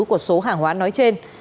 của số hàng hóa nói trên